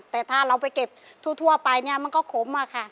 แต่ถ้าเราไปเก็บทั่วไปเนี่ยมันก็ขมอะค่ะ